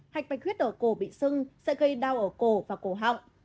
hạch bạch huyết ở cổ bị sưng sẽ gây đau ở cổ và cổ họng